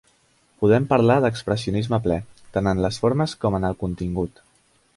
Podem parlar d'expressionisme ple, tant en les formes com en el contingut.